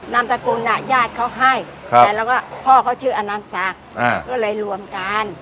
นามสกุลญาติเขาให้แล้วก็พ่อเขาชื่ออนันศักดิ์ก็เลยรวมกัน